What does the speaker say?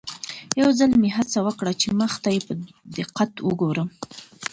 یو ځل مې هڅه وکړه چې مخ ته یې په دقت وګورم.